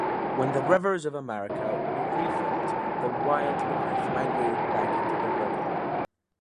When the Rivers of America were refilled, the wildlife migrated back into the river.